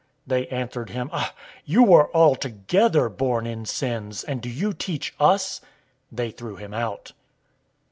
009:034 They answered him, "You were altogether born in sins, and do you teach us?" They threw him out.